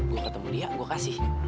gue ketemu dia gue kasih